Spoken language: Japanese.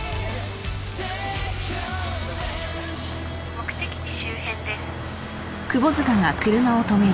目的地周辺です。